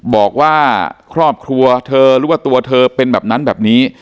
บอกว่าครอบครัวเธอหรือว่าตัวเธอเป็นแบบนั้นแบบนี้